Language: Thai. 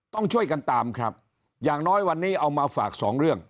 ต้องช่วยกันตามครับอย่างน้อยวันนี้เอามาฝากสองเรื่อง